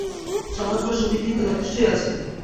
সমাজ বা সমিতি তো যথেষ্টই অছে।